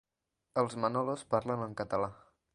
Els Manolos parlen en català.